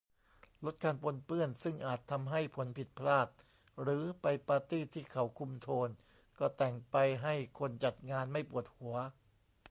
ลดการปนเปื้อนซึ่งอาจทำให้ผลผิดพลาด หรือไปปาร์ตี้ที่เขาคุมโทน ก็แต่งไปให้คนจัดงานไม่ปวดหัว